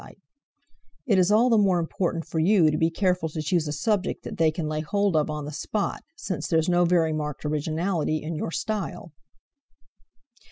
It is all the more important for you to be careful to choose a subject that they can lay hold of on the spot, since there's no very marked originality in your style."